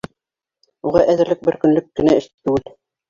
Уға әҙерлек — бер көнлөк кенә эш түгел.